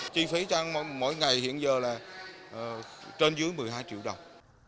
chi phí cho ăn mỗi ngày hiện giờ là trên dưới một mươi hai triệu đồng